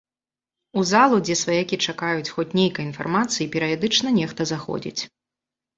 У залу, дзе сваякі чакаюць хоць нейкай інфармацыі, перыядычна нехта заходзіць.